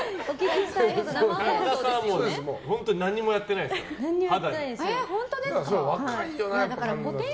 神田さんは何もやってないですから肌は。